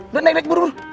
udah naik naik buru buru